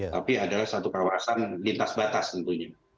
tapi adalah satu kawasan lintas batas tentunya